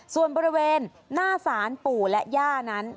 ส่วนบริเวณหน้าศาลปู่และย่านั้น